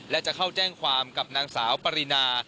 และจะเข้าแจ้งความกับนางสาวปรินา